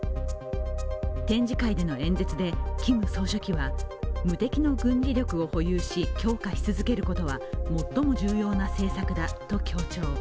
展示会での演説でキム総書記は、無敵の軍事力を保有し、強化し続けることは最も重要な政策だと強調。